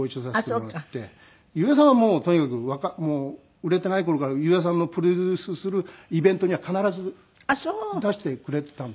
裕也さんはもうとにかく売れてない頃から裕也さんのプロデュースするイベントには必ず出してくれてたんですよ。